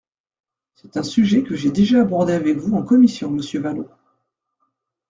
C’est un sujet que j’ai déjà abordé avec vous en commission, monsieur Vallaud.